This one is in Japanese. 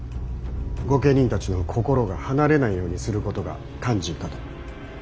御家人たちの心が離れないようにすることが肝心かと。